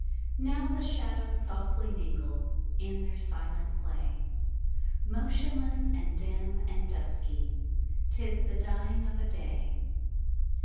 Now the shadows softly mingle In their silent play, Motionless and dim and dusky, 'Tis the dying of a day.